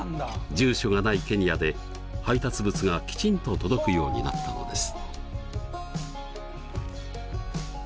住所がないケニアで配達物がきちんと届くようになったのです。